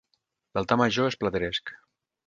L'altar major és plateresc.